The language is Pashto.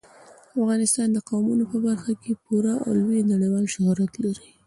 افغانستان د قومونه په برخه کې پوره او لوی نړیوال شهرت لري.